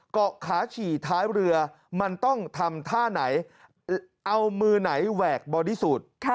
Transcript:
เกาะขาฉี่ท้ายเรือมันต้องทำท่าไหนเอามือไหนแหวกบอดี้สูตร